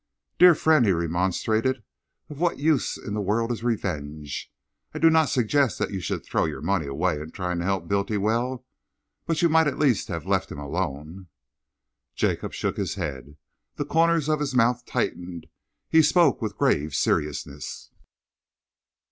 "Dear friend," he remonstrated, "of what use in the world is revenge? I do not suggest that you should throw your money away trying to help Bultiwell, but you might at least have left him alone." Jacob shook his head. The corners of his mouth tightened. He spoke with grave seriousness.